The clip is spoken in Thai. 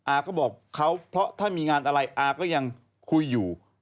อาก็บอกเขาเพราะถ้ามีงานอะไรอาก็ยังคุยอยู่